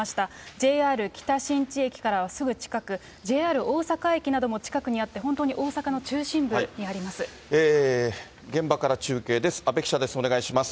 ＪＲ北新地駅からはすぐ近く、ＪＲ大阪駅なども近くにあって、本当に大阪の中心部にあります。